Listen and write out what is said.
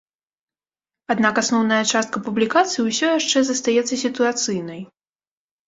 Аднак асноўная частка публікацый усё яшчэ застаецца сітуацыйнай.